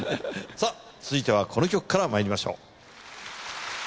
さぁ続いてはこの曲からまいりましょう。